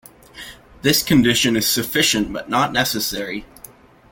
This condition is sufficient but not necessary.